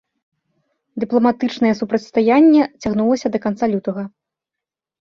Дыпламатычнае супрацьстаянне цягнулася ад канца лютага.